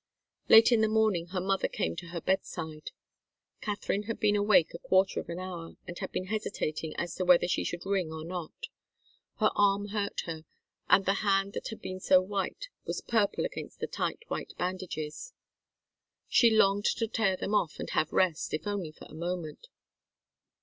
Late in the morning her mother came to her bedside. Katharine had been awake a quarter of an hour, and had been hesitating as to whether she should ring or not. Her arm hurt her, and the hand that had been so white was purple against the tight white bandages. She longed to tear them off and have rest, if only for a moment.